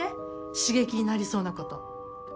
刺激になりそうなこと。